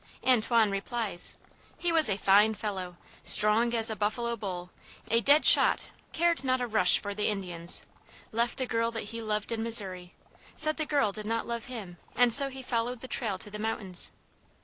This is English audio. Antoine replies, "He was a fine fellow strong as a buffalo bull, a dead shot, cared not a rush for the Indians, left a girl that he loved in Missouri, said the girl did not love him, and so he followed the trail to the mountains.